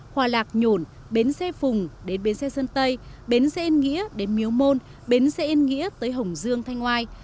hòa lạc nhổn bến xe phùng đến bến xe sơn tây bến xe nghĩa đến miếu môn bến xe nghĩa tới hồng dương thanh ngoai